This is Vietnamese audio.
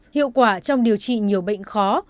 hiệu quả trong điều trị nhiều bệnh khó